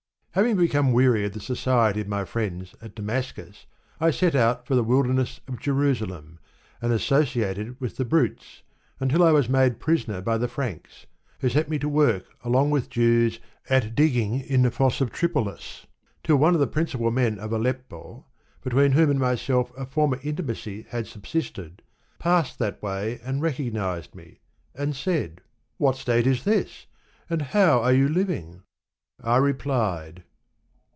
Having become weary of the society of my friends at Damascus, I set out for the wilderness of Jerusalem, and associated with the brutes, until I was made pris oner by the Franks, who set me to work along with Jews at digging in the fosse of Tripolis, till one of the principal men of Aleppo, between whom and myself a former intimacy had subsisted, passed that way and recognized me, and said, '' What state is this ? and how are you living? " I replied.